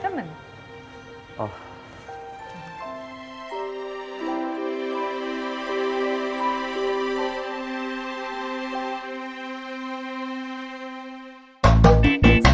solo kendali boleh ya